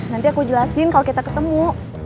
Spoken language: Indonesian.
nanti aku jelasin kalau kita ketemu